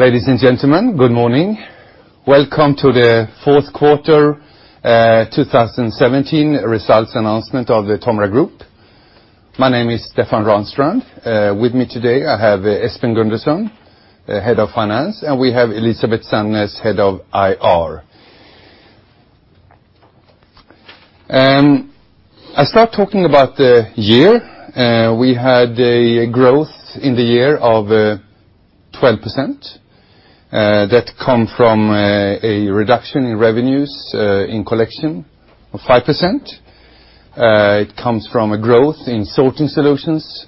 Ladies and gentlemen, good morning. Welcome to the fourth quarter 2017 results announcement of the Tomra Group. My name is Stefan Ranstrand. With me today, I have Espen Gundersen, Head of Finance, and we have Elisabet Sandnes, Head of IR. I will start talking about the year. We had a growth in the year of 12% that come from a reduction in revenues in TOMRA Collection Solutions of 5%. It comes from a growth in TOMRA Sorting Solutions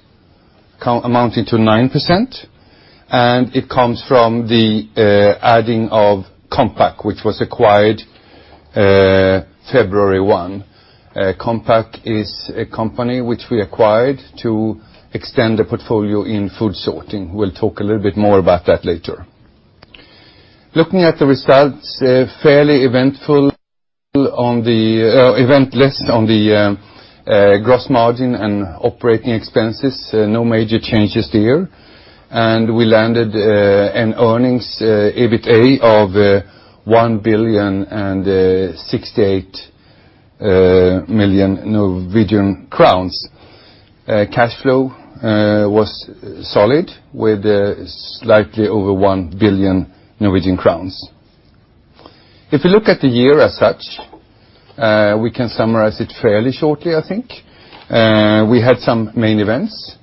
amounting to 9%, and it comes from the adding of Compac, which was acquired February 1. Compac is a company which we acquired to extend the portfolio in food sorting. We will talk a little bit more about that later. Looking at the results, fairly eventless on the gross margin and operating expenses. No major changes there. We landed an earnings, EBITDA, of 1 billion and 68 million. Cash flow was solid with slightly over 1 billion Norwegian crowns. If you look at the year as such, we can summarize it fairly shortly, I think. We had some main events.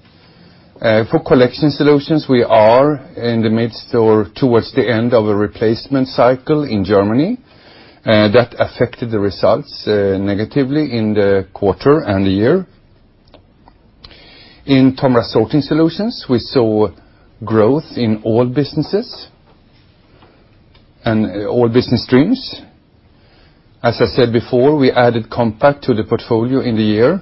For TOMRA Collection Solutions, we are in the midst or towards the end of a replacement cycle in Germany. That affected the results negatively in the quarter and the year. In TOMRA Sorting Solutions, we saw growth in all businesses and all business streams. As I said before, we added Compac to the portfolio in the year.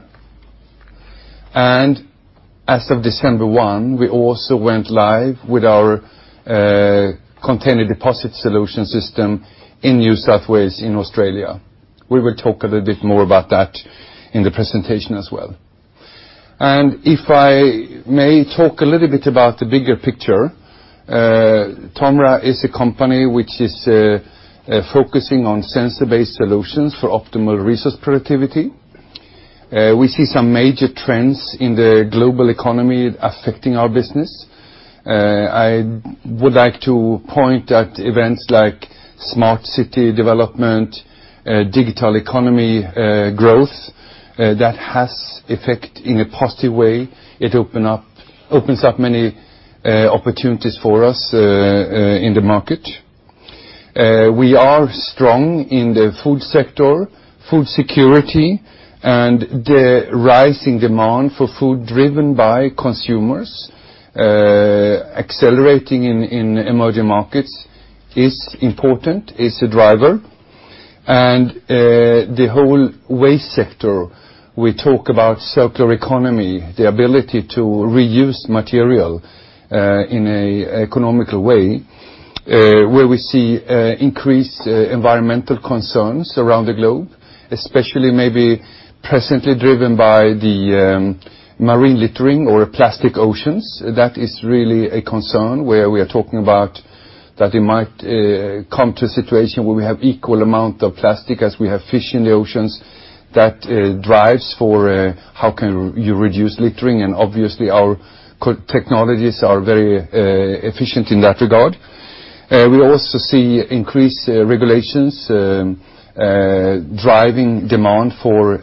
As of December 1, we also went live with our container deposit scheme in New South Wales in Australia. We will talk a little bit more about that in the presentation as well. If I may talk a little bit about the bigger picture, Tomra is a company which is focusing on sensor-based solutions for optimal resource productivity. We see some major trends in the global economy affecting our business. I would like to point at events like smart city development, digital economy growth that has effect in a positive way. It opens up many opportunities for us in the market. We are strong in the food sector, food security and the rising demand for food driven by consumers. Accelerating in emerging markets is important, is a driver. The whole waste sector, we talk about circular economy, the ability to reuse material in an economical way, where we see increased environmental concerns around the globe, especially maybe presently driven by the marine littering or plastic oceans. That is really a concern where we are talking about that it might come to a situation where we have equal amount of plastic as we have fish in the oceans. That drives for how can you reduce littering. Obviously our technologies are very efficient in that regard. We also see increased regulations driving demand for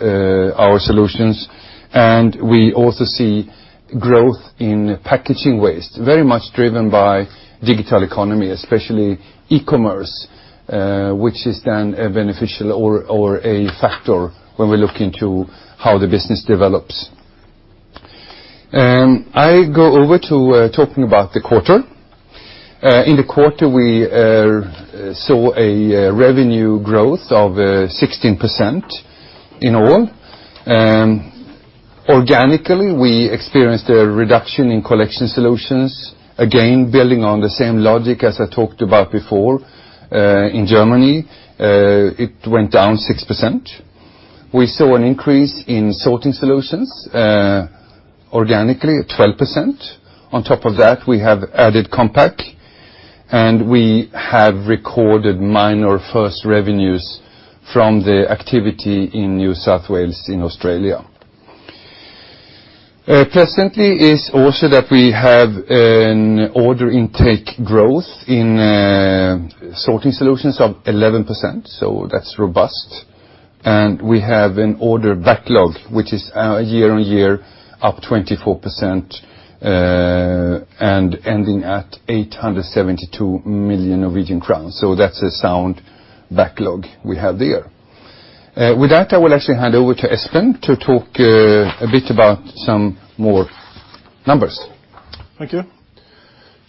our solutions, and we also see growth in packaging waste, very much driven by digital economy, especially e-commerce, which is then a beneficial or a factor when we look into how the business develops. I go over to talking about the quarter. In the quarter, we saw a revenue growth of 16% in all. Organically, we experienced a reduction in TOMRA Collection Solutions, again, building on the same logic as I talked about before. In Germany, it went down 6%. We saw an increase in TOMRA Sorting Solutions organically at 12%. On top of that, we have added Compac, and we have recorded minor first revenues from the activity in New South Wales in Australia. Presently is also that we have an order intake growth in TOMRA Sorting Solutions of 11%, that's robust. We have an order backlog, which is year-over-year up 24% and ending at 872 million Norwegian crowns. That's a sound backlog we have there. With that, I will actually hand over to Espen to talk a bit about some more numbers. Thank you.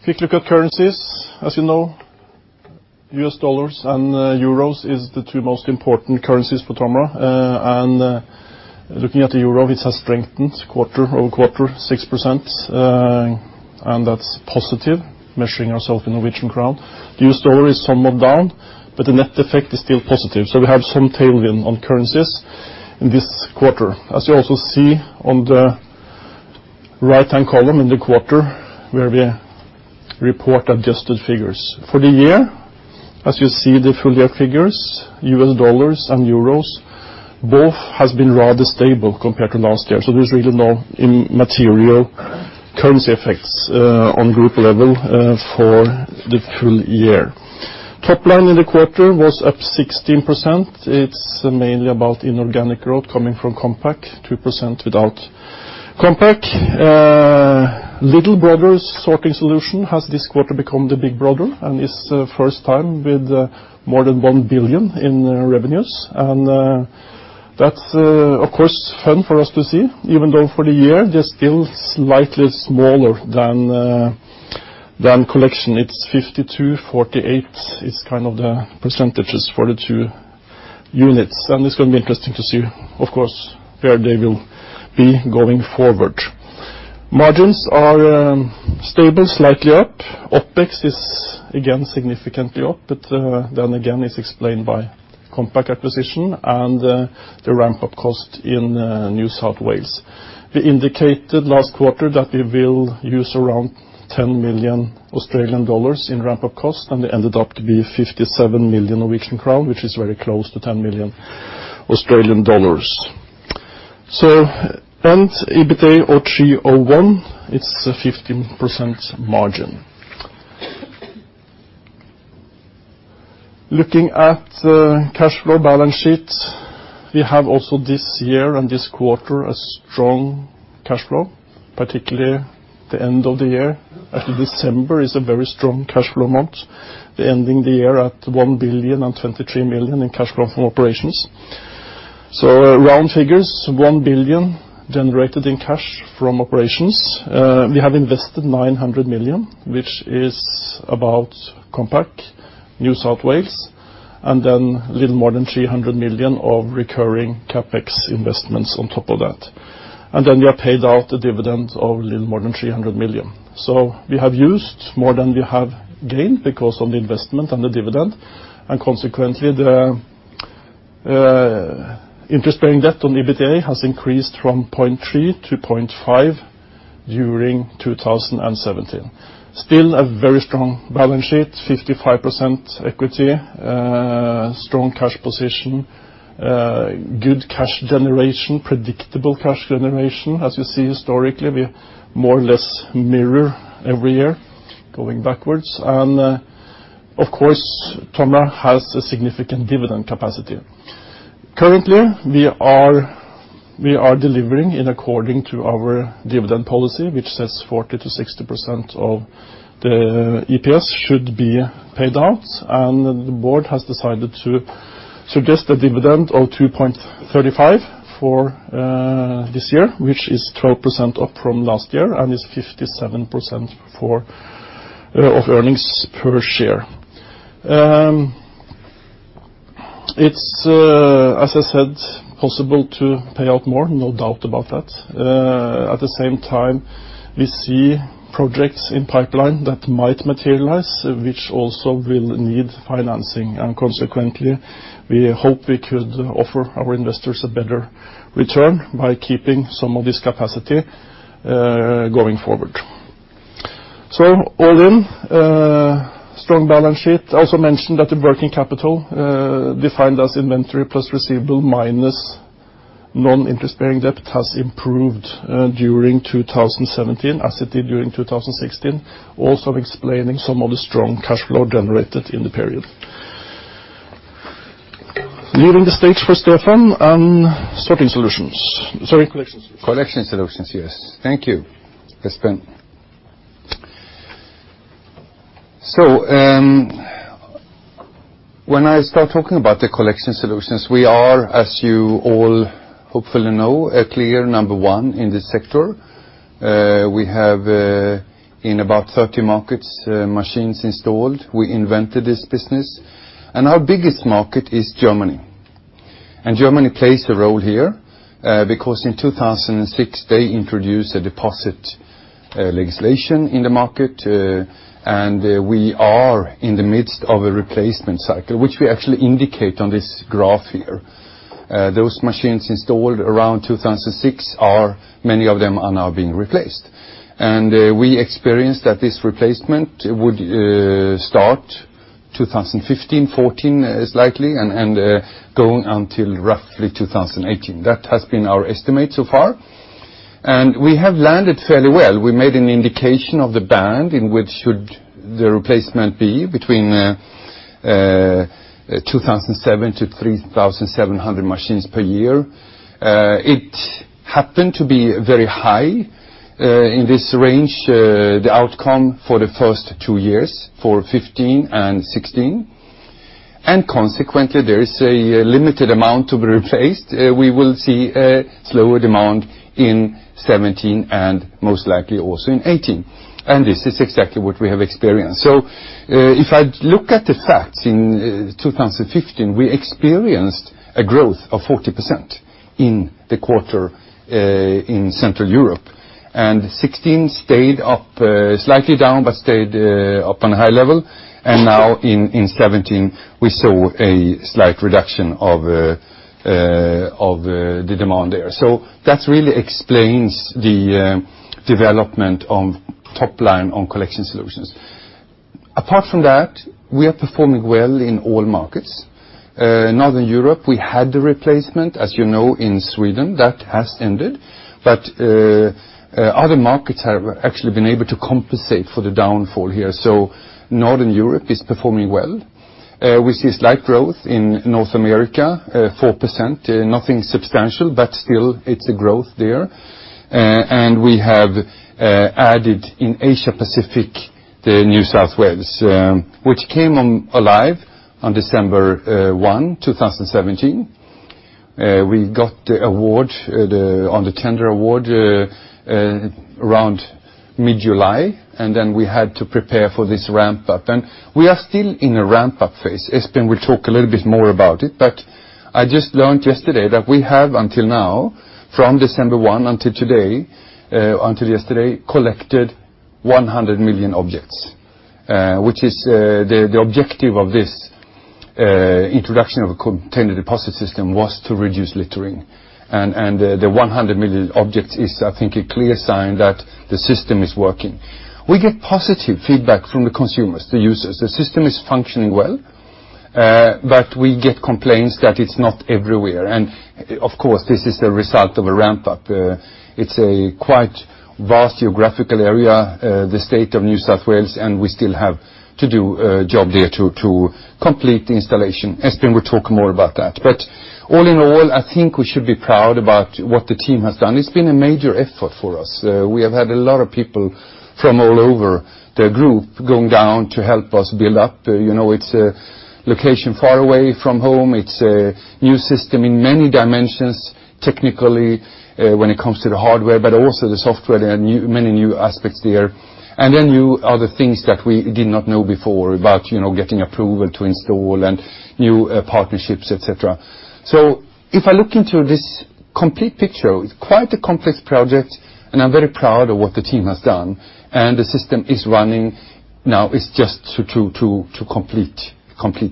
Quick look at currencies. As you know, US dollars and euros is the two most important currencies for Tomra. Looking at the euro, it has strengthened over quarter 6%, that's positive, measuring ourself in Norwegian crown. US dollar is somewhat down, but the net effect is still positive. We have some tailwind on currencies in this quarter. As you also see on the right-hand column in the quarter where we report adjusted figures. For the year, as you see, the full year figures, US dollars and euros, both has been rather stable compared to last year. There's really no material currency effects on group level for the full year. Top line in the quarter was up 16%. It's mainly about inorganic growth coming from Compac, 2% without Compac. Little brother TOMRA Sorting Solutions has this quarter become the big brother, it's first time with more than 1 billion in revenues. That's, of course, fun for us to see. Even though for the year, they're still slightly smaller than Collection. It's 52/48 is kind of the percentages for the two units. It's going to be interesting to see, of course, where they will be going forward. Margins are stable, slightly up. OpEx is again significantly up, but then again, it's explained by Compac acquisition and the ramp-up cost in New South Wales. We indicated last quarter that we will use around 10 million Australian dollars in ramp-up cost. They ended up to be 57 million Norwegian crown, which is very close to 10 million Australian dollars. EBITDA NOK 301, it's 15% margin. Looking at the cash flow balance sheet, we have also this year and this quarter a strong cash flow, particularly the end of the year. Actually, December is a very strong cash flow month. Ending the year at 1,023 million in cash flow from operations. Round figures, 1 billion generated in cash from operations. We have invested 900 million, which is about Compac, New South Wales, then little more than 300 million of recurring CapEx investments on top of that. Then we have paid out a dividend of little more than 300 million. We have used more than we have gained because of the investment and the dividend, and consequently, the interest-bearing debt on the EBITDA has increased from 0.3 to 0.5 during 2017. Still a very strong balance sheet, 55% equity, strong cash position, good cash generation, predictable cash generation. As you see historically, we more or less mirror every year going backwards. Of course, Tomra has a significant dividend capacity. Currently, we are delivering in according to our dividend policy, which says 40%-60% of the EPS should be paid out. The board has decided to suggest a dividend of 2.35 for this year, which is 12% up from last year and is 57% of earnings per share. It's, as I said, possible to pay out more. No doubt about that. At the same time, we see projects in pipeline that might materialize, which also will need financing. Consequently, we hope we could offer our investors a better return by keeping some of this capacity going forward. So all in, strong balance sheet. Also mentioned that the working capital, defined as inventory plus receivable, minus non-interest bearing debt, has improved during 2017, as it did during 2016, also explaining some of the strong cash flow generated in the period. Leaving the stage for Stefan on TOMRA Sorting Solutions. Sorry, TOMRA Collection Solutions. TOMRA Collection Solutions, yes. Thank you, Espen. When I start talking about the TOMRA Collection Solutions, we are, as you all hopefully know, a clear number 1 in this sector. We have, in about 30 markets, machines installed. We invented this business. Our biggest market is Germany. Germany plays a role here because in 2006, they introduced a deposit legislation in the market. We are in the midst of a replacement cycle, which we actually indicate on this graph here. Those machines installed around 2006, many of them are now being replaced. We experienced that this replacement would start 2015, 2014 is likely, and going until roughly 2018. That has been our estimate so far. We have landed fairly well. We made an indication of the band in which should the replacement be between 2,700-3,700 machines per year. It happened to be very high in this range, the outcome for the first two years, for 2015 and 2016. Consequently, there is a limited amount to be replaced. We will see a slower demand in 2017 and most likely also in 2018. This is exactly what we have experienced. So if I look at the facts, in 2015, we experienced a growth of 40% in the quarter in Central Europe, 2016 stayed up, slightly down, but stayed up on a high level. Now in 2017, we saw a slight reduction of the demand there. So that really explains the development of top line on TOMRA Collection Solutions. Apart from that, we are performing well in all markets. Northern Europe, we had the replacement, as you know, in Sweden. That has ended, other markets have actually been able to compensate for the downfall here. Northern Europe is performing well. We see slight growth in North America, 4%, nothing substantial, but still it is a growth there. We have added in Asia Pacific, the New South Wales, which came alive on December 1, 2017. We got the award on the tender award around mid-July, then we had to prepare for this ramp-up, and we are still in a ramp-up phase. Espen will talk a little bit more about it, but I just learned yesterday that we have until now, from December 1 until yesterday, collected 100 million objects. The objective of this introduction of a container deposit system was to reduce littering, and the 100 million objects is, I think, a clear sign that the system is working. We get positive feedback from the consumers, the users. The system is functioning well, but we get complaints that it is not everywhere, and of course, this is the result of a ramp-up. It is a quite vast geographical area, the state of New South Wales, and we still have to do a job there to complete the installation. Espen will talk more about that. All in all, I think we should be proud about what the team has done. It has been a major effort for us. We have had a lot of people from all over the group going down to help us build up. It is a location far away from home. It is a new system in many dimensions, technically, when it comes to the hardware, but also the software. There are many new aspects there, then other things that we did not know before about getting approval to install and new partnerships, et cetera. If I look into this complete picture, it is quite a complex project, and I am very proud of what the team has done, and the system is running now. It is just to complete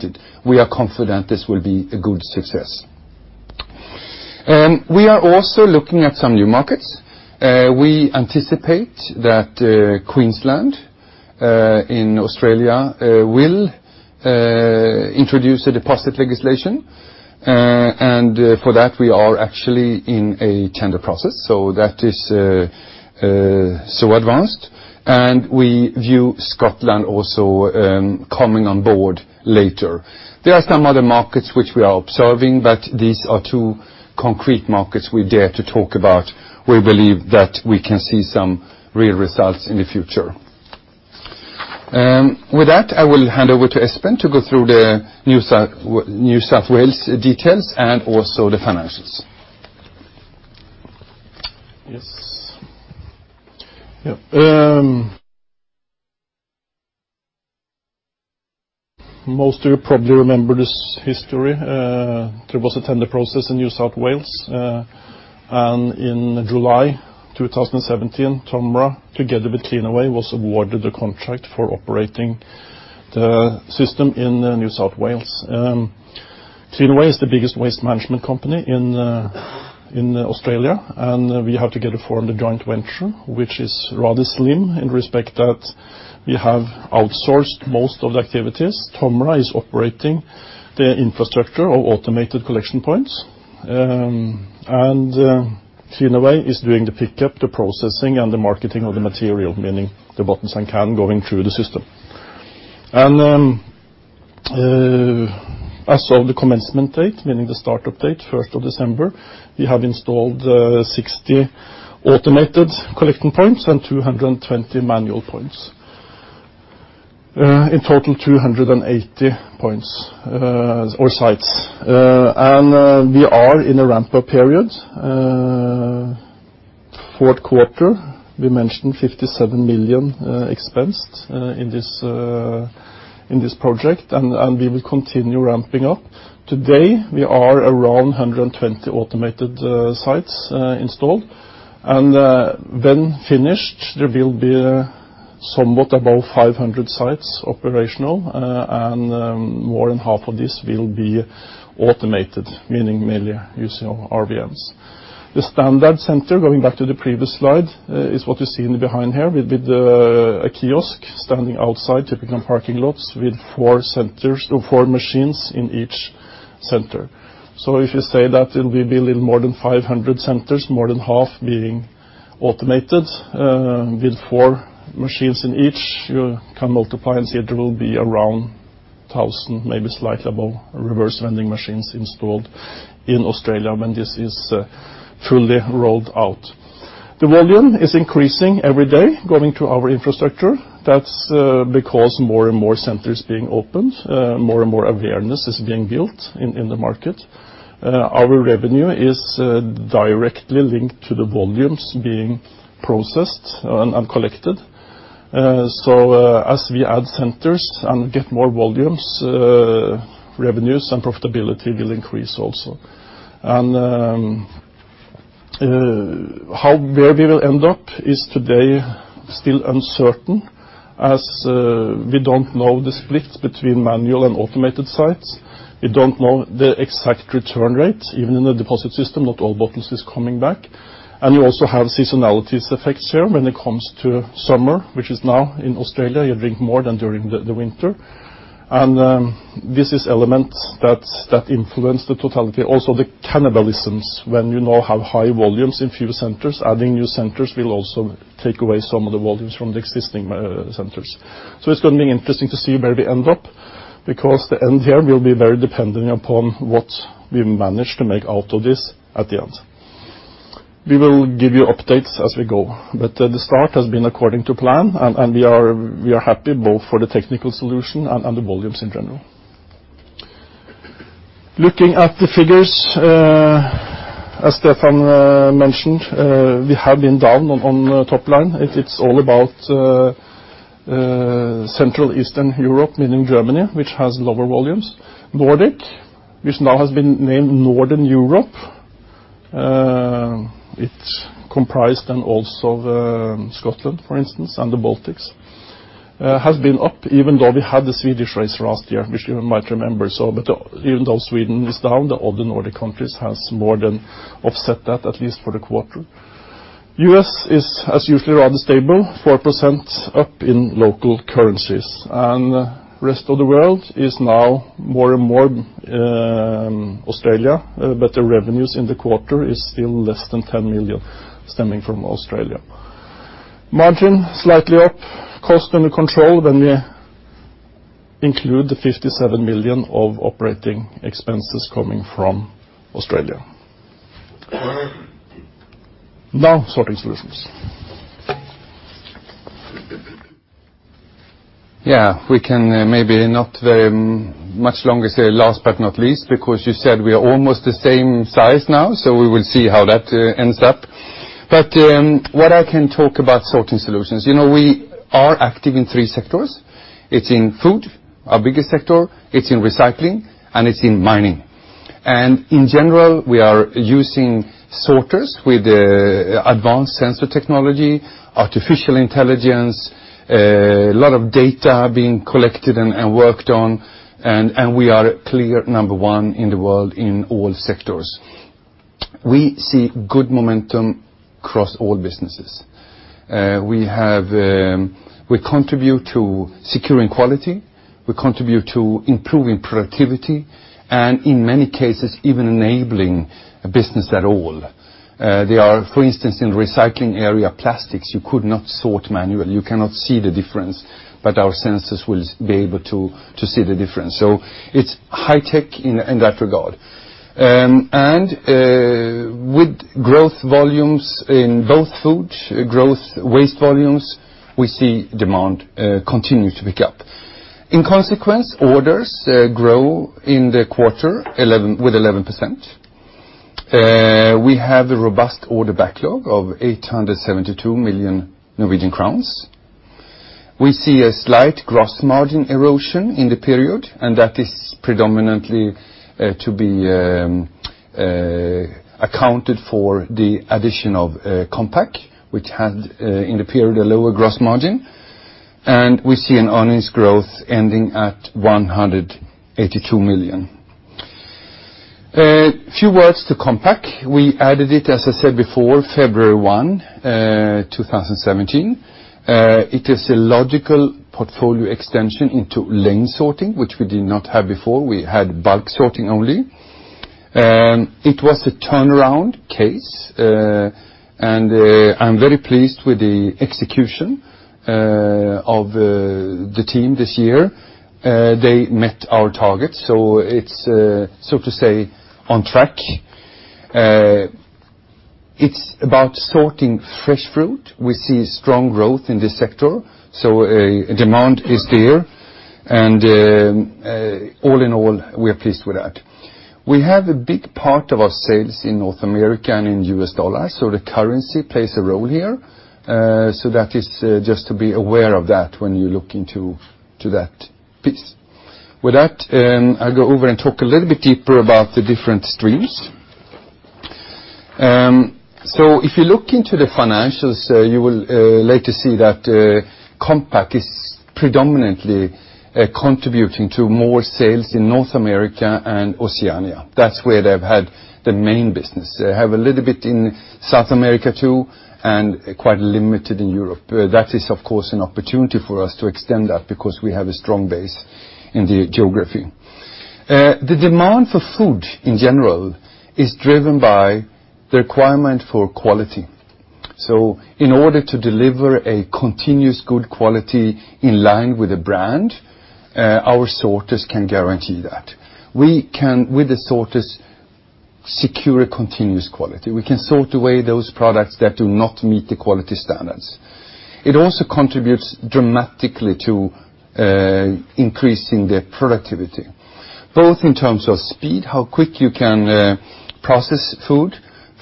it. We are confident this will be a good success. We are also looking at some new markets. We anticipate that Queensland in Australia will introduce a deposit legislation, and for that, we are actually in a tender process. That is so advanced, and we view Scotland also coming on board later. There are some other markets which we are observing, but these are two concrete markets we dare to talk about. We believe that we can see some real results in the future. With that, I will hand over to Espen to go through the New South Wales details and also the financials. Yes. Most of you probably remember this history. There was a tender process in New South Wales. In July 2017, Tomra, together with Cleanaway, was awarded the contract for operating the system in New South Wales. Cleanaway is the biggest waste management company in Australia. We have together formed a joint venture, which is rather slim in respect that we have outsourced most of the activities. Tomra is operating the infrastructure of automated collection points. Cleanaway is doing the pickup, the processing, and the marketing of the material, meaning the bottles and can going through the system. I saw the commencement date, meaning the startup date, 1st of December. We have installed 60 automated collecting points and 220 manual points. In total, 280 points or sites. We are in a ramp-up period. Fourth quarter, we mentioned 57 million expense in this project, and we will continue ramping up. Today, we are around 120 automated sites installed, and when finished, there will be somewhat above 500 sites operational, and more than half of this will be automated, meaning merely using RVMs. The standard center, going back to the previous slide, is what you see behind here with a kiosk standing outside typical parking lots with four machines in each center. If you say that it will be a little more than 500 centers, more than half being automated, with four machines in each, you can multiply and say it will be around 1,000, maybe slightly above, reverse vending machines installed in Australia when this is fully rolled out. The volume is increasing every day going through our infrastructure. That's because more and more centers being opened, more and more awareness is being built in the market. Our revenue is directly linked to the volumes being processed and collected. As we add centers and get more volumes, revenues and profitability will increase also. Where we will end up is today still uncertain, as we don't know the split between manual and automated sites. We don't know the exact return rate, even in the deposit system, not all bottles is coming back. You also have seasonality effects here when it comes to summer, which is now in Australia, you drink more than during the winter. This is elements that influence the totality. Also the cannibalization, when you now have high volumes in few centers, adding new centers will also take away some of the volumes from the existing centers. It's going to be interesting to see where we end up because the end here will be very dependent upon what we manage to make out of this at the end. We will give you updates as we go. The start has been according to plan and we are happy both for the technical solution and the volumes in general. Looking at the figures, as Stefan mentioned, we have been down on top line. It's all about Central Eastern Europe, meaning Germany, which has lower volumes. Nordic, which now has been named Northern Europe. It comprised then also Scotland for instance and the Baltics, has been up even though we had the Swedish replacement last year, which you might remember. Even though Sweden is down, all the Nordic countries has more than offset that at least for the quarter. U.S. is as usually rather stable, 4% up in local currencies. Rest of the world is now more and more, Australia, but the revenues in the quarter is still less than 10 million stemming from Australia. Margin slightly up, cost under control when we include the 57 million of operating expenses coming from Australia. Now TOMRA Sorting Solutions. Yeah. We can maybe not very much longer say last but not least because you said we are almost the same size now, we will see how that ends up. What I can talk about TOMRA Sorting Solutions. We are active in three sectors. It is in food, our biggest sector, it is in recycling, and it is in mining. In general we are using sorters with advanced sensor technology, artificial intelligence, a lot of data being collected and worked on and we are clear number one in the world in all sectors. We see good momentum across all businesses. We contribute to securing quality, we contribute to improving productivity and in many cases even enabling a business at all. There are, for instance, in recycling area plastics you could not sort manually. You cannot see the difference, but our sensors will be able to see the difference. It is high tech in that regard. With growth volumes in both food growth waste volumes we see demand continue to pick up. In consequence orders grow in the quarter with 11%. We have a robust order backlog of 872 million Norwegian crowns. We see a slight gross margin erosion in the period and that is predominantly to be accounted for the addition of Compac, which had in the period a lower gross margin. We see an earnings growth ending at 182 million NOK. A few words to Compac. We added it as I said before February 1, 2017. It is a logical portfolio extension into lane sorting which we did not have before. We had bulk sorting only. It was a turnaround case. I am very pleased with the execution of the team this year. They met our targets so it is so to say on track. It is about sorting fresh fruit. We see strong growth in this sector so demand is there and all in all we are pleased with that. We have a big part of our sales in North America and in U.S. dollars so the currency plays a role here. That is just to be aware of that when you look into that piece. With that I will go over and talk a little bit deeper about the different streams. If you look into the financials you will like to see that Compac is predominantly contributing to more sales in North America and Oceania. That is where they have had the main business. They have a little bit in South America too and quite limited in Europe. That is of course an opportunity for us to extend that because we have a strong base in the geography. The demand for food in general is driven by the requirement for quality. In order to deliver a continuous good quality in line with the brand, our sorters can guarantee that. We can with the sorters secure continuous quality. We can sort away those products that do not meet the quality standards. It also contributes dramatically to increasing the productivity both in terms of speed, how quick you can process food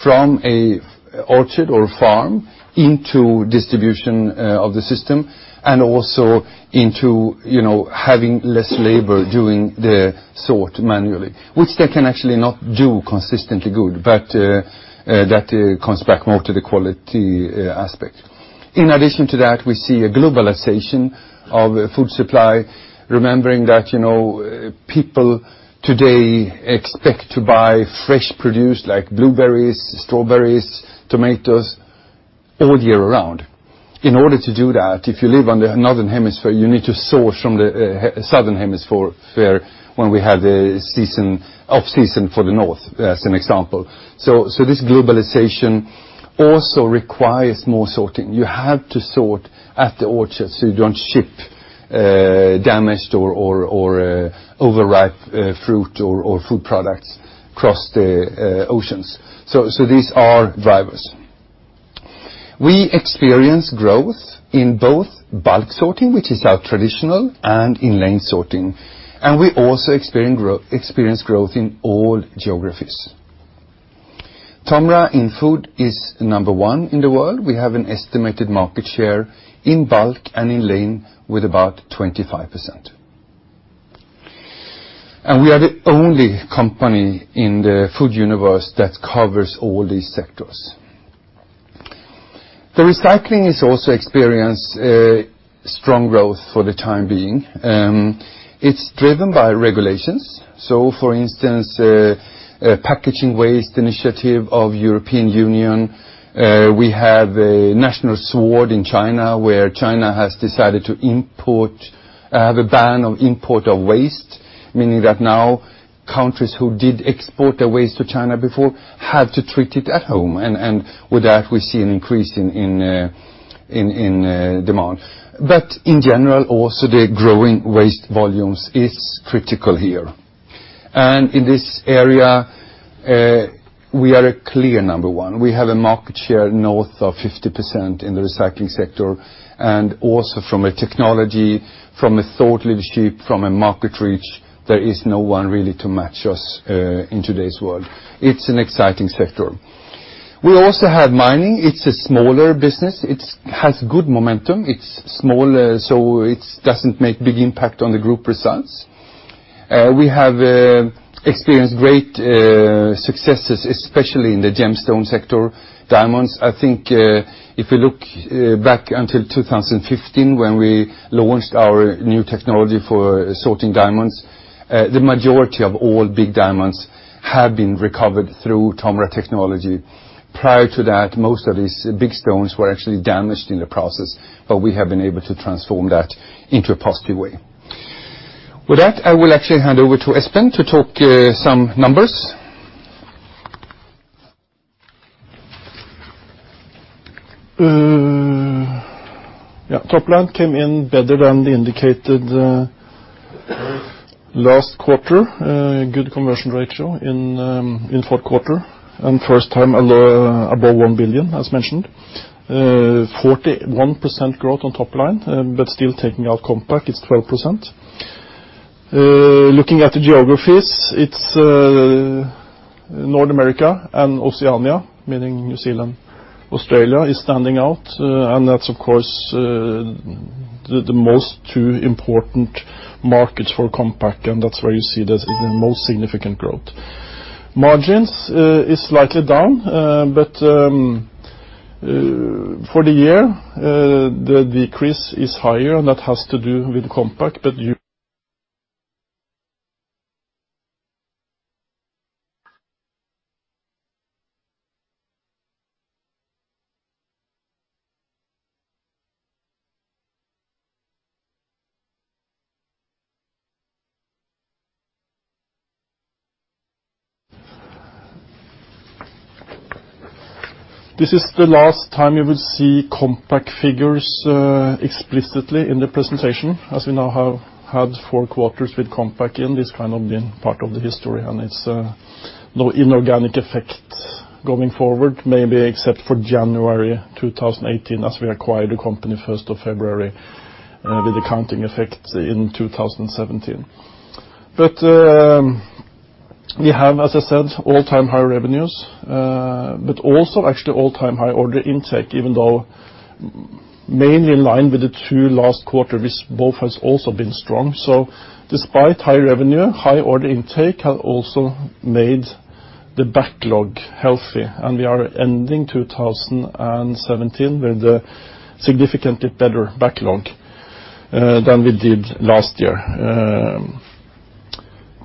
from an orchard or farm into distribution of the system and also into having less labor doing the sort manually, which they can actually not do consistently good but that comes back more to the quality aspect. In addition to that we see a globalization of food supply remembering that people today expect to buy fresh produce like blueberries, strawberries, tomatoes all year round. In order to do that, if you live on the northern hemisphere, you need to source from the southern hemisphere when we have the off-season for the north, as an example. This globalization also requires more sorting. You have to sort at the orchard so you don't ship damaged or overripe fruit or food products across the oceans. These are drivers. We experience growth in both bulk sorting, which is our traditional, and in-lane sorting. We also experience growth in all geographies. Tomra, in food, is number one in the world. We have an estimated market share in bulk and in-lane with about 25%. We are the only company in the food universe that covers all these sectors. The recycling has also experienced strong growth for the time being. It's driven by regulations. For instance, packaging waste initiative of European Union. We have a National Sword in China, where China has decided to have a ban of import of waste, meaning that now countries who did export their waste to China before had to treat it at home. With that, we see an increase in demand. In general, also the growing waste volumes is critical here. In this area, we are a clear number one. We have a market share north of 50% in the recycling sector and also from a technology, from a thought leadership, from a market reach, there is no one really to match us in today's world. It's an exciting sector. We also have mining. It's a smaller business. It has good momentum. It's small, so it doesn't make big impact on the Group results. We have experienced great successes, especially in the gemstone sector, diamonds. I think if we look back until 2015, when we launched our new technology for sorting diamonds, the majority of all big diamonds have been recovered through Tomra technology. Prior to that, most of these big stones were actually damaged in the process, but we have been able to transform that into a positive way. With that, I will actually hand over to Espen to talk some numbers. Yeah. Top line came in better than the indicated last quarter. Good conversion ratio in fourth quarter, and first time above 1 billion, as mentioned. 41% growth on top line, still taking out Compac, it's 12%. Looking at the geographies, it's North America and Oceania, meaning New Zealand. Australia is standing out, and that's, of course, the most two important markets for Compac, that's where you see the most significant growth. Margins is slightly down, for the year, the decrease is higher, and that has to do with Compac. This is the last time you will see Compac figures explicitly in the presentation, as we now have had 4 quarters with Compac in. This has kind of been part of the history. It's no inorganic effect going forward, maybe except for January 2018 as we acquired the company 1st of February with accounting effect in 2017. We have, as I said, all-time high revenues, but also actually all-time high order intake, even though mainly in line with the two last quarter, which both has also been strong. Despite high revenue, high order intake has also made the backlog healthy, and we are ending 2017 with a significantly better backlog than we did last year.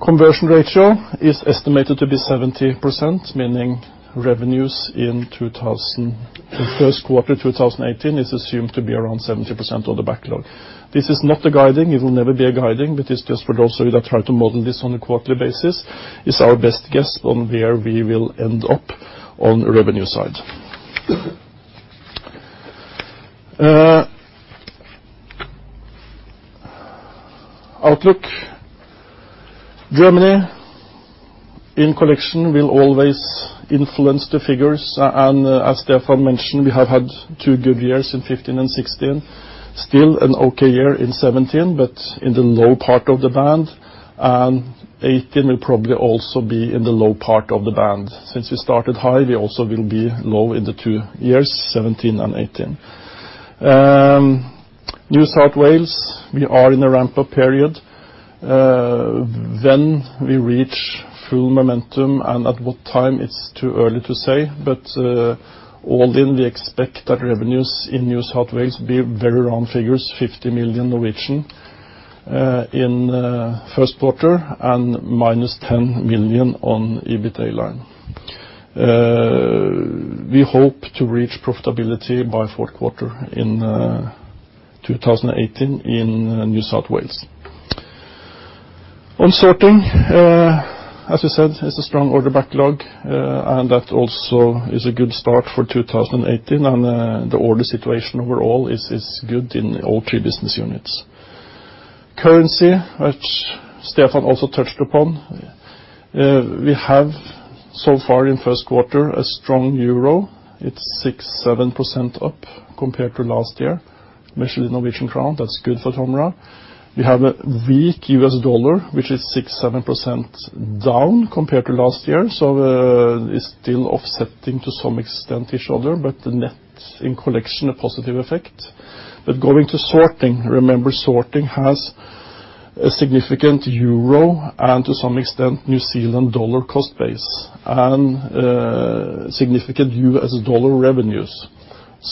Conversion ratio is estimated to be 70%, meaning revenues in first quarter 2018 is assumed to be around 70% of the backlog. This is not a guiding. It will never be a guiding, but it's just for those of you that try to model this on a quarterly basis. It's our best guess on where we will end up on the revenue side. Outlook. Germany, in collection, will always influence the figures. As Stefan mentioned, we have had two good years in 2015 and 2016. Still an okay year in 2017, but in the low part of the band. 2018 will probably also be in the low part of the band. Since we started high, we also will be low in the two years 2017 and 2018. New South Wales, we are in a ramp-up period. When we reach full momentum and at what time, it's too early to say. All in, we expect that revenues in New South Wales be very round figures, 50 million In first quarter and minus 10 million on EBITA line. We hope to reach profitability by fourth quarter in 2018 in New South Wales. On sorting, as you said, it's a strong order backlog. That also is a good start for 2018. The order situation overall is good in all three business units. Currency, which Stefan also touched upon. We have so far in first quarter a strong euro. It's 6%-7% up compared to last year, measured in NOK. That's good for Tomra. We have a weak US dollar, which is 6%-7% down compared to last year. It's still offsetting to some extent each other, but the net in collection, a positive effect. Going to sorting, remember, sorting has a significant euro and to some extent NZD cost base and significant US dollar revenues.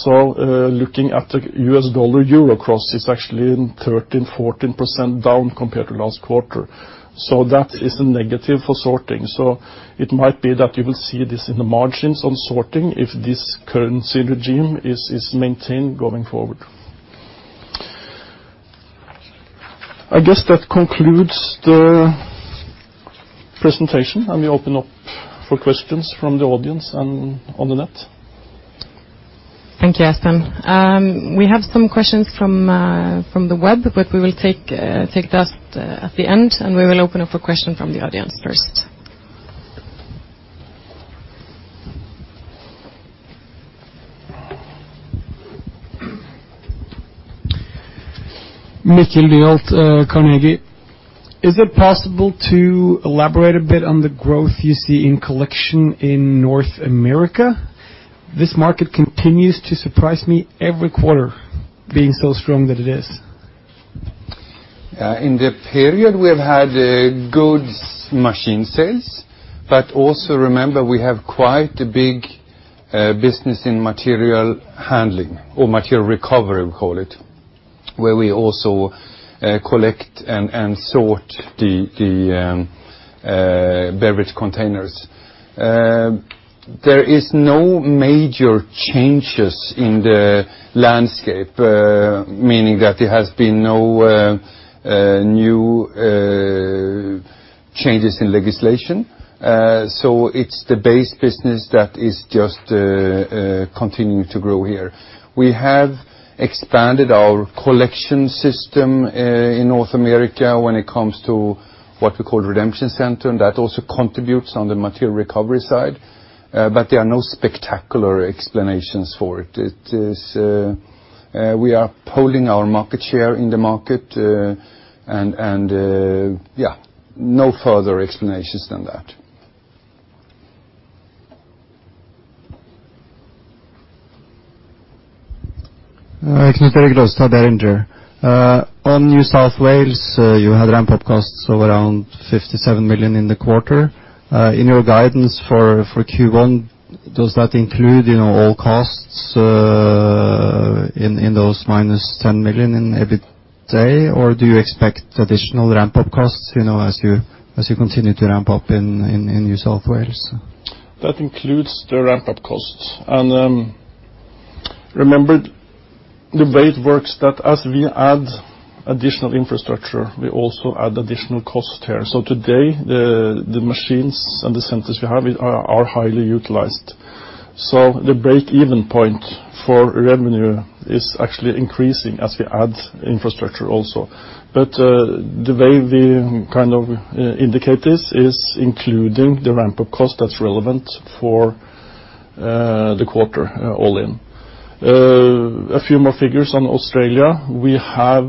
Looking at the US dollar/euro cross, it's actually 13%-14% down compared to last quarter. That is a negative for sorting. It might be that you will see this in the margins on sorting if this currency regime is maintained going forward. I guess that concludes the presentation. We open up for questions from the audience and on the net. Thank you, Espen. We have some questions from the web, but we will take that at the end, and we will open up a question from the audience first. Mikkel Lyholt, Carnegie. Is it possible to elaborate a bit on the growth you see in Collection in North America? This market continues to surprise me every quarter being so strong that it is. In the period, we have had good machine sales, but also remember we have quite a big business in material handling or material recovery we call it, where we also collect and sort the beverage containers. There is no major changes in the landscape, meaning that there has been no new changes in legislation. It's the base business that is just continuing to grow here. We have expanded our collection system in North America when it comes to what we call redemption center, and that also contributes on the material recovery side. There are no spectacular explanations for it. We are growing our market share in the market and, no further explanations than that. Knut Erik Rosstad, Berenberg. On New South Wales, you had ramp-up costs of around 57 million in the quarter. In your guidance for Q1, does that include all costs in those minus 10 million in EBITA, or do you expect additional ramp-up costs as you continue to ramp up in New South Wales? Remember the way it works, that as we add additional infrastructure, we also add additional cost here. Today, the machines and the centers we have are highly utilized. The break-even point for revenue is actually increasing as we add infrastructure also. The way we kind of indicate this is including the ramp-up cost that's relevant for the quarter all in. A few more figures on Australia. We have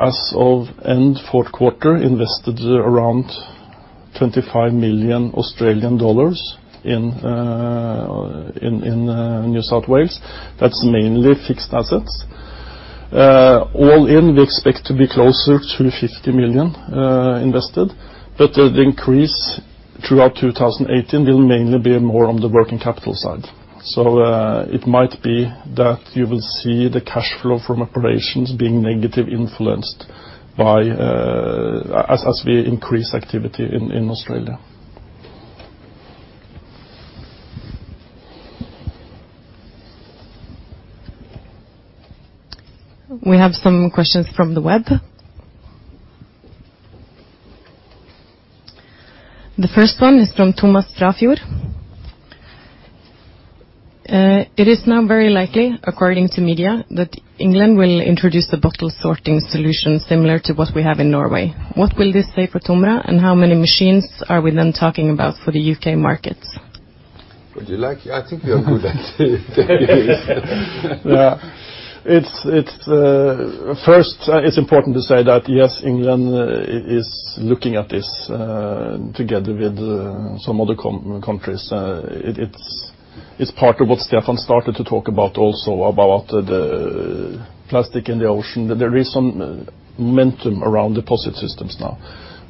as of end fourth quarter invested around 25 million Australian dollars in New South Wales. That's mainly fixed assets. All in, we expect to be closer to 50 million invested, but the increase throughout 2018 will mainly be more on the working capital side. It might be that you will see the cash flow from operations being negatively influenced as we increase activity in Australia. We have some questions from the web. The first one is from Thomas Frafjord. It is now very likely, according to media, that England will introduce a bottle sorting solution similar to what we have in Norway. What will this say for Tomra, and how many machines are we then talking about for the U.K. markets? Would you like? I think we are good at it. Yeah. First, it's important to say that, yes, England is looking at this together with some other countries. It's part of what Stefan started to talk about also about the plastic in the ocean. There is some momentum around deposit systems now,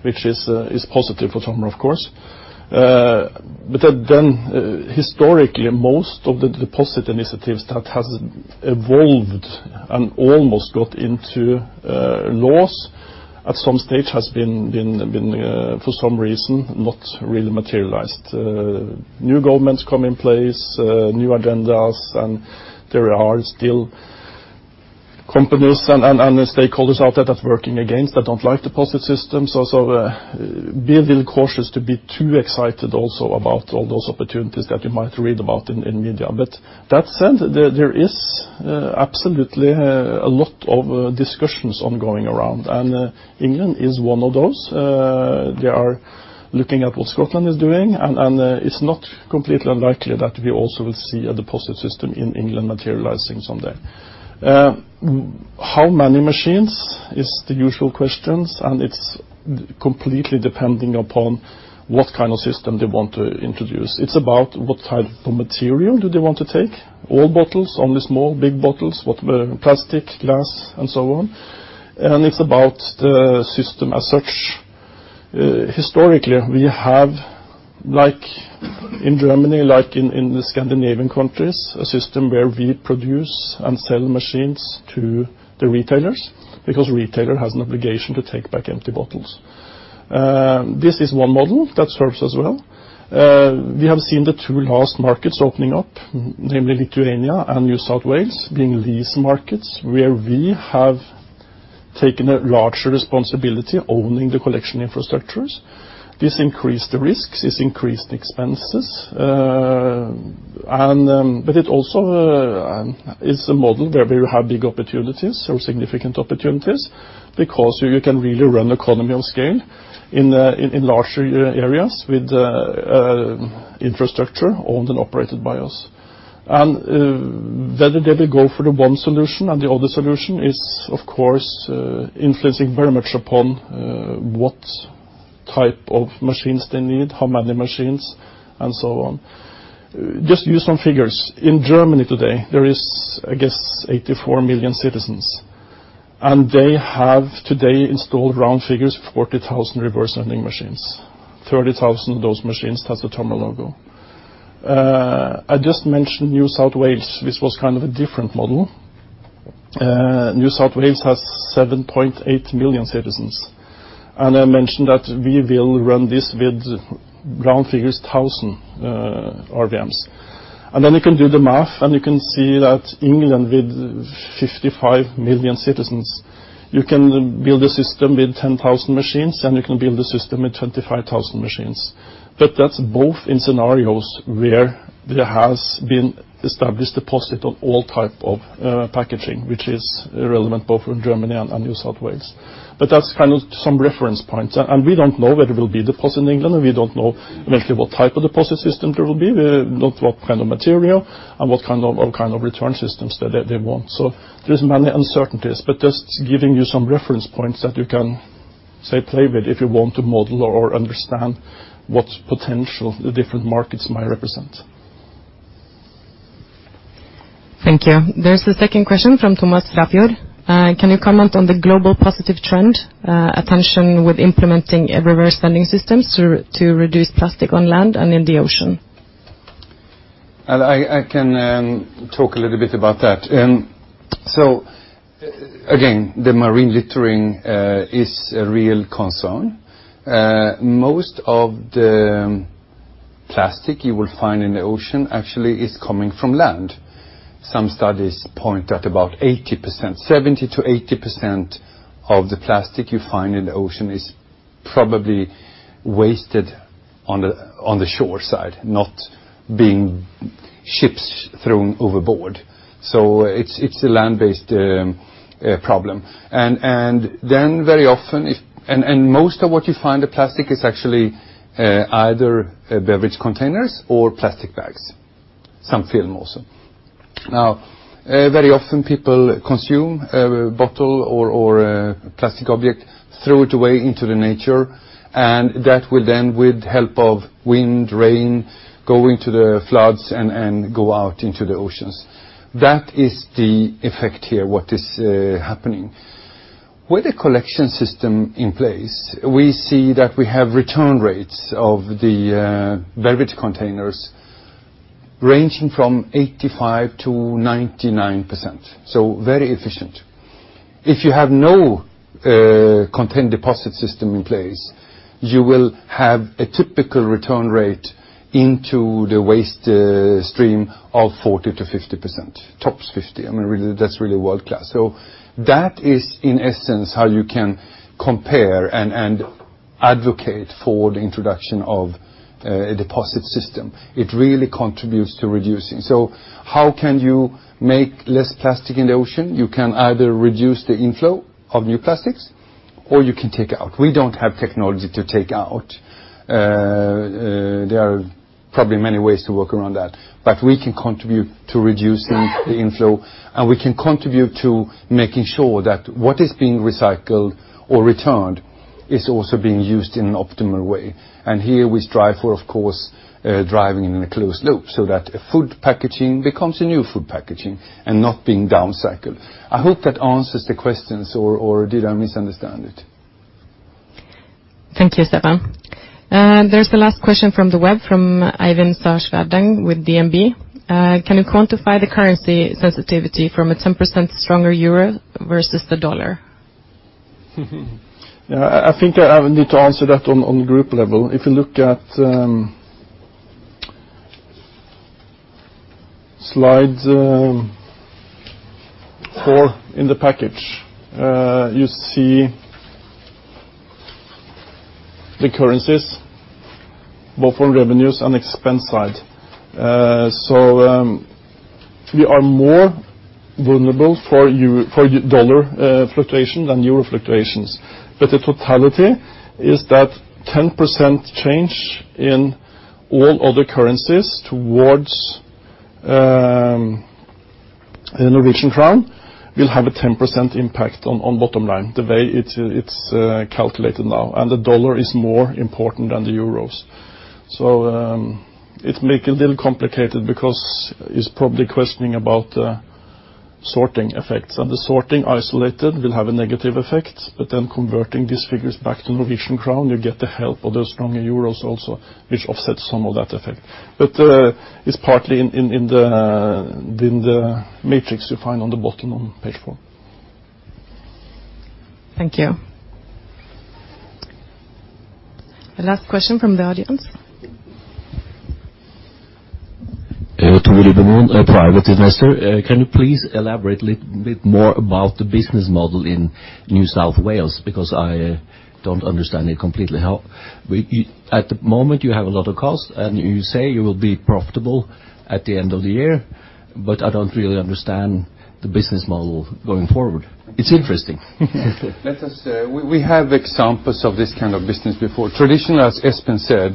which is positive for Tomra, of course. Historically, most of the deposit initiatives that have evolved and almost got into laws at some stage have, for some reason, not really materialized. New governments come in place, new agendas, and there are still companies and stakeholders out there that are working against, that don't like deposit systems. Be a little cautious to be too excited also about all those opportunities that you might read about in media. That said, there is absolutely a lot of discussions ongoing around, and England is one of those. They are looking at what Scotland is doing, and it's not completely unlikely that we also will see a deposit system in England materializing someday. How many machines is the usual question, and it's completely dependent upon what kind of system they want to introduce. It's about what type of material they want to take. All bottles, only small, big bottles, plastic, glass, and so on. It's about the system as such. Historically, we have, like in Germany, like in the Scandinavian countries, a system where we produce and sell machines to the retailers, because the retailer has an obligation to take back empty bottles. This is one model that serves us well. We have seen the two last markets opening up, namely Lithuania and New South Wales, being these markets where we have taken a larger responsibility, owning the collection infrastructures. This increased the risks, this increased expenses, but it also is a model where we have big opportunities or significant opportunities because you can really run economy of scale in larger areas with infrastructure owned and operated by us. Whether they will go for the one solution and the other solution is, of course, influencing very much upon what type of machines they need, how many machines, and so on. Just use some figures. In Germany today, there is, I guess, 84 million citizens, and they have today installed, round figures, 40,000 reverse vending machines. 30,000 of those machines has the Tomra logo. I just mentioned New South Wales. This was kind of a different model. New South Wales has 7.8 million citizens, and I mentioned that we will run this with, round figures, 1,000 RVMs. Then you can do the math, and you can see that England, with 55 million citizens, you can build a system with 10,000 machines, and you can build a system with 25,000 machines. That's both in scenarios where there has been established deposit on all type of packaging, which is relevant both for Germany and New South Wales. We don't know whether it will be deposit in England, and we don't know mainly what type of deposit system there will be, not what kind of material and what kind of return systems that they want. There's many uncertainties, but just giving you some reference points that you can, say, play with if you want to model or understand what potential the different markets might represent. Thank you. There's a second question from Thomas Frafjord. "Can you comment on the global positive trend, attention with implementing a reverse vending system to reduce plastic on land and in the ocean? I can talk a little bit about that. Again, the marine littering is a real concern. Most of the plastic you will find in the ocean actually is coming from land. Some studies point at about 80%, 70%-80% of the plastic you find in the ocean is probably wasted on the shore side, not being ships thrown overboard. It's a land-based problem. Most of what you find, the plastic is actually either beverage containers or plastic bags. Some film also. Very often people consume a bottle or a plastic object, throw it away into the nature, and that will then, with help of wind, rain, go into the floods and go out into the oceans. That is the effect here, what is happening. With a collection system in place, we see that we have return rates of the beverage containers ranging from 85%-99%, very efficient. If you have no contained deposit system in place, you will have a typical return rate into the waste stream of 40%-50%, tops 50. I mean, that's really world-class. That is, in essence, how you can compare and advocate for the introduction of a deposit system. It really contributes to reducing. How can you make less plastic in the ocean? You can either reduce the inflow of new plastics or you can take it out. We don't have technology to take out. There are probably many ways to work around that. We can contribute to reducing the inflow, and we can contribute to making sure that what is being recycled or returned is also being used in an optimal way. Here we strive for, of course, driving in a closed loop so that food packaging becomes a new food packaging and not being down-cycled. I hope that answers the questions, or did I misunderstand it? Thank you, Stefan. There's the last question from the web, from Eivind Sars Veddeng with DNB. Can you quantify the currency sensitivity from a 10% stronger euro versus the dollar? I think I need to answer that on group level. If you look at slide four in the package, you see the currencies both on revenues and expense side. We are more vulnerable for dollar fluctuation than euro fluctuations. The totality is that 10% change in all other currencies towards the Norwegian krone will have a 10% impact on bottom line, the way it is calculated now, and the dollar is more important than the euros. It make a little complicated because it is probably questioning about the sorting effects, and the sorting isolated will have a negative effect, but then converting these figures back to Norwegian krone, you get the help of those stronger euros also, which offsets some of that effect. It is partly in the matrix you find on the bottom on page four. Thank you. The last question from the audience. Turi Bunoon, a private investor. Can you please elaborate little bit more about the business model in New South Wales? I don't understand it completely. At the moment you have a lot of cost and you say you will be profitable at the end of the year, I don't really understand the business model going forward. It is interesting. We have examples of this kind of business before. Traditional, as Espen said,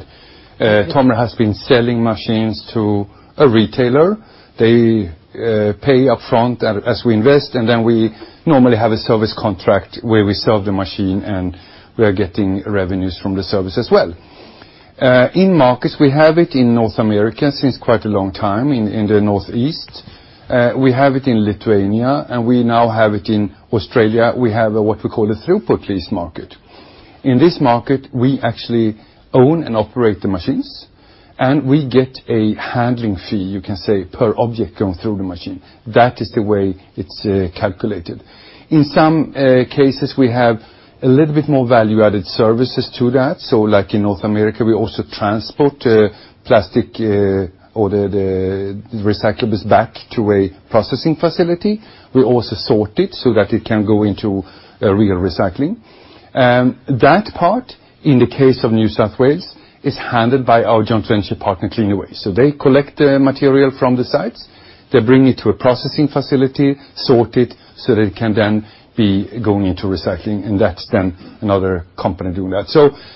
Tomra has been selling machines to a retailer. They pay upfront as we invest, and then we normally have a service contract where we sell the machine, and we are getting revenues from the service as well. In markets, we have it in North America since quite a long time, in the Northeast. We have it in Lithuania, and we now have it in Australia. We have what we call a throughput lease market. In this market, we actually own and operate the machines, and we get a handling fee, you can say, per object going through the machine. That is the way it is calculated. In some cases, we have a little bit more value-added services to that. Like in North America, we also transport plastic or the recyclables back to a processing facility. We also sort it so that it can go into a real recycling. That part, in the case of New South Wales, is handled by our joint venture partner, Cleanaway. They collect material from the sites, they bring it to a processing facility, sort it so that it can then be going into recycling, and that's then another company doing that.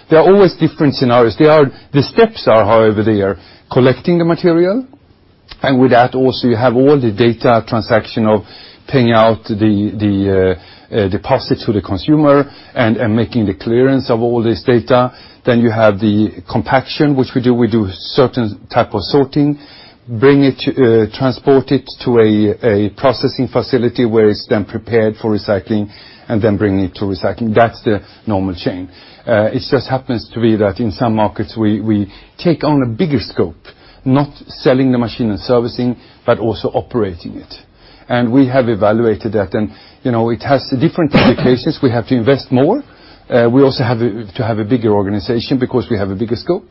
There are always different scenarios. The steps are, however, they are collecting the material, and with that also you have all the data transaction of paying out the deposit to the consumer and making the clearance of all this data. You have the compaction, which we do. We do certain type of sorting, transport it to a processing facility where it's then prepared for recycling, and then bring it to recycling. That's the normal chain. It just happens to be that in some markets we take on a bigger scope, not selling the machine and servicing, but also operating it. We have evaluated that, and it has different implications. We have to invest more. We also have to have a bigger organization because we have a bigger scope.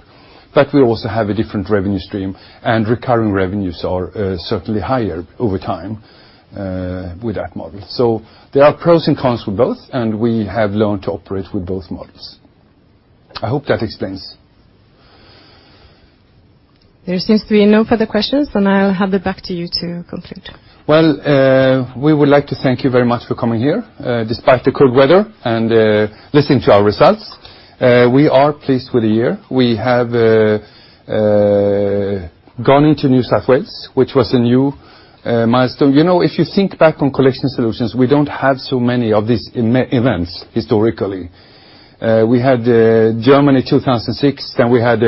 We also have a different revenue stream, and recurring revenues are certainly higher over time with that model. There are pros and cons for both, and we have learned to operate with both models. I hope that explains. There seems to be no further questions, and I'll hand it back to you to conclude. We would like to thank you very much for coming here, despite the cold weather, and listening to our results. We are pleased with the year. We have gone into New South Wales, which was a new milestone. If you think back on Collection Solutions, we don't have so many of these events historically. We had Germany 2006, we had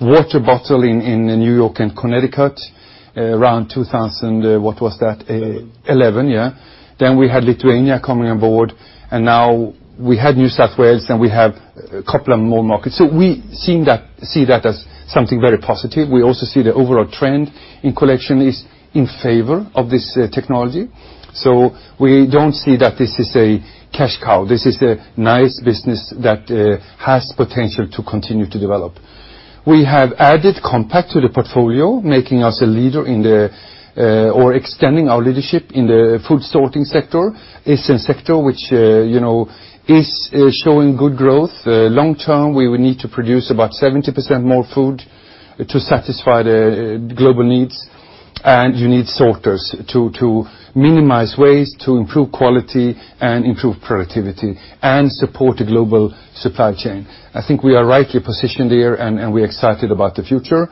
water bottle in New York and Connecticut around 2000. What was that? Eleven. Eleven. We had Lithuania coming on board. Now we had New South Wales, we have a couple of more markets. We see that as something very positive. We also see the overall trend in collection is in favor of this technology. We don't see that this is a cash cow. This is a nice business that has potential to continue to develop. We have added Compac to the portfolio, making us a leader or extending our leadership in the food sorting sector. It's a sector which is showing good growth. Long term, we would need to produce about 70% more food to satisfy the global needs, and you need sorters to minimize waste, to improve quality and improve productivity and support the global supply chain. I think we are rightly positioned there. We're excited about the future.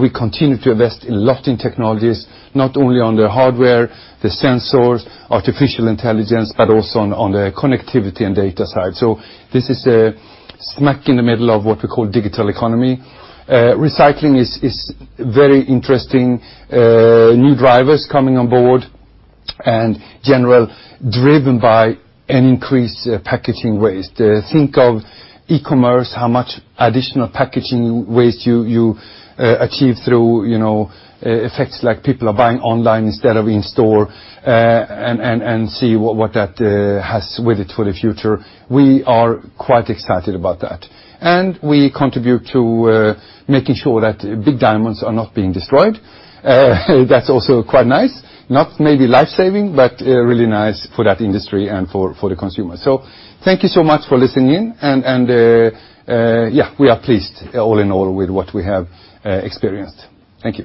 We continue to invest a lot in technologies, not only on the hardware, the sensors, artificial intelligence, but also on the connectivity and data side. This is smack in the middle of what we call digital economy. Recycling is very interesting. New drivers coming on board and general driven by an increased packaging waste. Think of e-commerce, how much additional packaging waste you achieve through effects like people are buying online instead of in store. See what that has with it for the future. We are quite excited about that. We contribute to making sure that big diamonds are not being destroyed. That's also quite nice. Not maybe life-saving, but really nice for that industry and for the consumer. Thank you so much for listening in. We are pleased all in all with what we have experienced. Thank you.